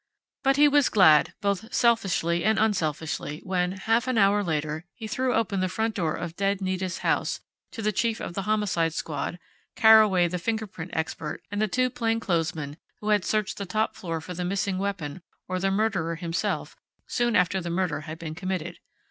But he was glad, both selfishly and unselfishly, when, half an hour later, he threw open the front door of dead Nita's house to the chief of the Homicide Squad, Carraway, the fingerprint expert, and the two plainclothesmen who had searched the top floor for the missing weapon or the murderer himself soon after the murder had been committed.